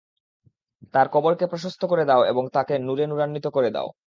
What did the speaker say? তার কবরকে প্রশস্ত করে দাও এবং তাকে নূরে নূরান্বিত করে দাও।